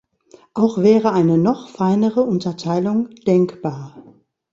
Auch wäre eine noch feinere Unterteilung denkbar.